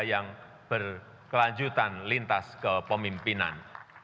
yang berkelanjutan lintas ke pemimpinan